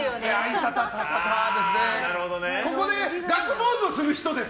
ここでガッツポーズをする人です。